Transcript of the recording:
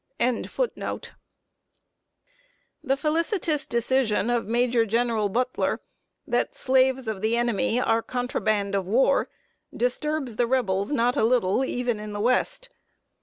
[Sidenote: A CLEAR HEADED NEGRO.] The felicitous decision of Major General Butler, that slaves of the enemy are "contraband of war," disturbs the Rebels not a little, even in the West.